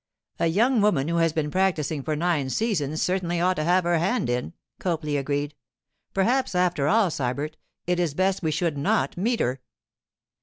'A young woman who has been practising for nine seasons certainly ought to have her hand in,' Copley agreed. 'Perhaps, after all, Sybert, it is best we should not meet her.